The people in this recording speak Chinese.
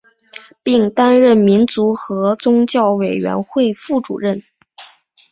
并担任民族和宗教委员会副主任。